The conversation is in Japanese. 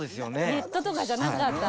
ネットとかじゃなかった。